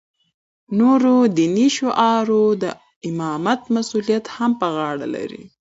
نورو دیني شعایرو د امامت مسولیت هم په غاړه لری.